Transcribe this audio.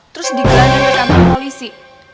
terus digeladang sama polisi